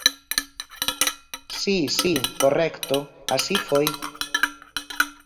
Si, si, correcto, así foi.